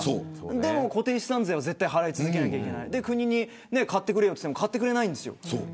でも固定資産税は払わなきゃいけなくて国に買ってくれよと言っても買ってくれないんです。